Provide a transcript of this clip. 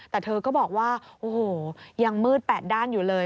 แต่เธอก็บอกว่าโอ้โหยังมืดแปดด้านอยู่เลย